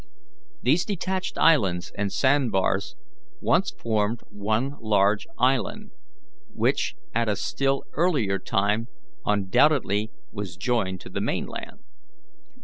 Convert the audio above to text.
These detached islands and sand bars once formed one large island, which at a still earlier time undoubtedly was joined to the mainland.